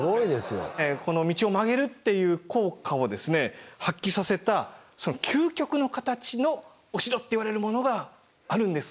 この道を曲げるっていう効果を発揮させた究極の形のお城っていわれるものがあるんです。